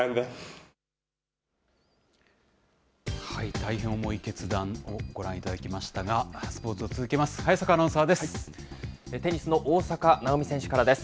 大変重い決断をご覧いただきましたが、スポーツを続けます。